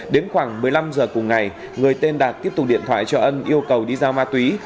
đến khoảng một mươi năm h cùng ngày người tên đạt tiếp tục điện thoại cho ân yêu cầu đi giao ma túy